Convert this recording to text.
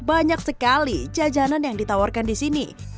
banyak sekali jajanan yang ditawarkan disini